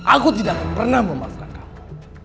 aku tidak akan pernah memaksa kamu